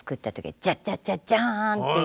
ジャジャジャジャンっていう